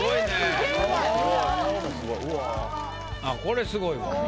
あっこれすごいわ。